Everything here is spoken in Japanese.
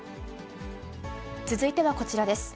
続いてはこちらです。